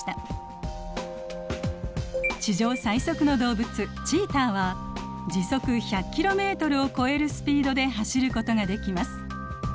地上最速の動物チーターは時速１００キロメートルを超えるスピードで走ることができます。